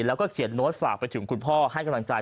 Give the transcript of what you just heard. แล้วก็เขียนโน้ตฝากไปถึงคุณพ่อให้กำลังใจ